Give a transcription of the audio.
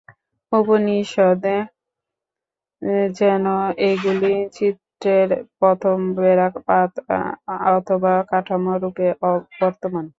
উপনিষদে যেন ঐগুলি চিত্রের প্রথম রেখাপাত অথবা কাঠামোরূপে বর্তমান।